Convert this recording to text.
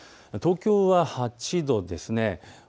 東京は８度です。